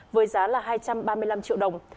với giá là hai trăm ba mươi năm triệu đồng